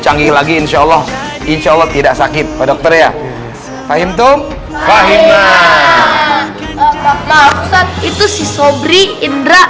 canggih lagi insyaallah insyaallah tidak sakit dokter ya fahim tum fahimah itu si sobri indra